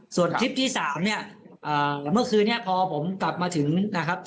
ส่วนคลิปที่๓เนี่ยเมื่อคืนนี้พอผมกลับมาถึงนะครับ